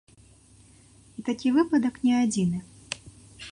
І такі выпадак не адзіны.